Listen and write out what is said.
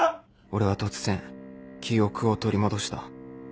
俺は突然記憶を取り戻した。